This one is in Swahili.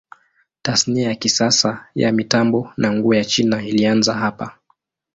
Tasnia ya kisasa ya mitambo na nguo ya China ilianza hapa.